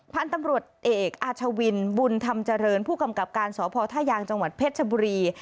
ผ้านตำรวจเอกอาชวินบุญธรรมเจริญผู้กำกับการสพท่ายางจเพชรบุรี